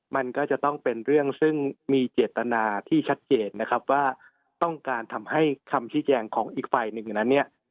มันก็จะต้องเป็นเรื่องซึ่งมีเจตนาที่ชัดเจนนะครับว่าต้องการทำให้คำชี้แจงของอีกฝ่ายหนึ่งนั้นเนี่ย